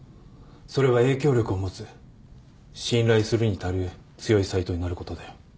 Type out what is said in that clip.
それは影響力を持つ信頼するに足る強いサイトになることだよ。